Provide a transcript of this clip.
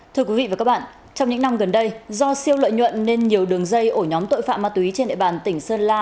thưa quý vị và các bạn trong những năm gần đây do siêu lợi nhuận nên nhiều đường dây ổ nhóm tội phạm ma túy trên địa bàn tỉnh sơn la